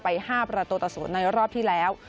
ไปห้าประโตตสูตรในรอบที่แล้ว